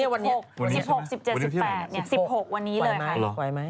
ใช่๑๖๑๗๑๘นี่๑๖วันนี้เลยค่ะ